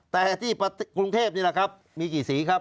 แต่ที่กรุงเทพนี่แหละครับมีกี่สีครับ